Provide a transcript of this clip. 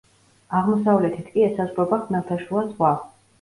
აღმოსავლეთით კი ესაზღვრება ხმელთაშუა ზღვა.